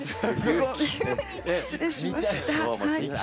失礼しました。